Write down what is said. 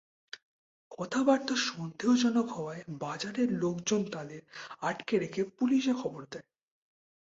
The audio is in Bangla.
কথাবার্তা সন্দেহজনক হওয়ায় বাজারের লোকজন তাঁদের আটকে রেখে পুলিশে খবর দেয়।